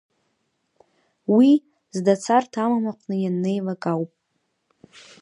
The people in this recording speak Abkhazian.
Уи, зда царҭа амам аҟны ианнеилак ауп.